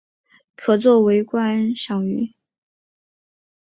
可做为观赏鱼。